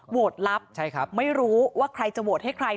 ลับไม่รู้ว่าใครจะโหวตให้ใคร